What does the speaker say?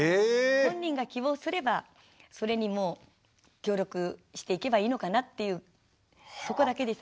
本人が希望すればそれに協力していけばいいのかなっていうそこだけでした。